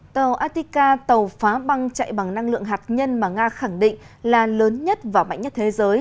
tàu atika tàu phá băng chạy bằng năng lượng hạt nhân mà nga khẳng định là lớn nhất và mạnh nhất thế giới